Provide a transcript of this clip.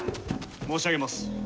申し上げます。